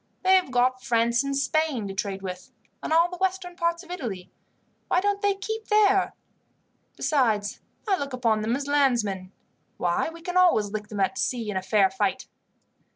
They have got France and Spain to trade with, and all the western parts of Italy. Why don't they keep there? Besides, I look upon them as landsmen. Why, we can always lick them at sea in a fair fight."